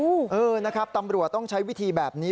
เออนะครับตำรวจต้องใช้วิธีแบบนี้